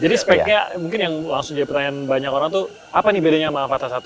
speknya mungkin yang langsung jadi pertanyaan banyak orang tuh apa nih bedanya sama fata satu